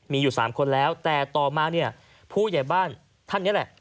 มีอยู่๓คนแล้วแต่ต่อมาเนี่ยผู้ใหญ่บ้านท่านนี้แหละ